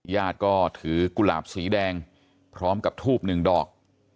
ญาติก็ถือกุหลาบสีแดงพร้อมกับทูบหนึ่งดอก